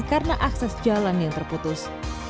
karena akses jalan yang terputus